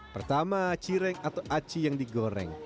pertama cireng atau aci yang digoreng